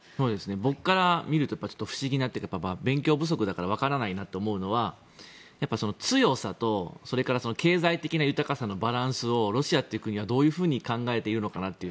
僕から見ると不思議なというか勉強不足だから分からないなと思うのは強さと経済的な豊かさのバランスをロシアって国は、どういうふうに考えているのかなと。